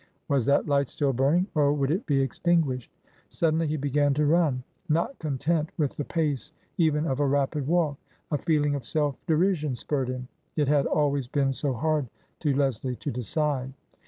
Was that light still burning, or would it be extinguished ? Suddenly he began to run, not content with the pace even of a rapid walk. A feeling of self derision spurred him. It had always been so hard to Leslie to decide.